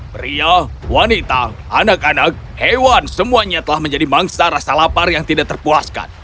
pria wanita anak anak hewan semuanya telah menjadi mangsa rasa lapar yang tidak terpuaskan